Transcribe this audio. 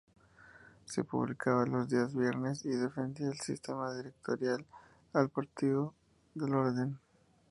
Se publicaba los días viernes y defendía el sistema directorial, al "partido del orden".